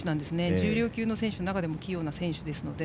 重量級の選手の中でも器用な選手ですので。